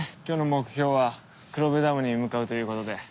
今日の目標は黒部ダムに向かうという事で。